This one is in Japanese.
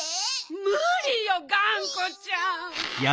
むりよがんこちゃん。